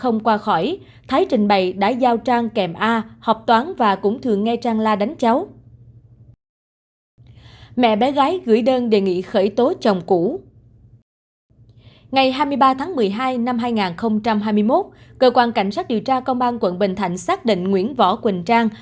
ngày hai mươi ba tháng một mươi hai năm hai nghìn hai mươi một cơ quan cảnh sát điều tra công an quận bình thạnh xác định nguyễn võ quỳnh trang